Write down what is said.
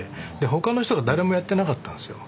他の人が誰もやってなかったんですよ。